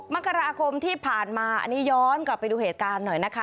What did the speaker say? มกราคมที่ผ่านมาอันนี้ย้อนกลับไปดูเหตุการณ์หน่อยนะคะ